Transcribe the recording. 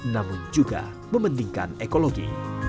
namun juga membandingkan ekologi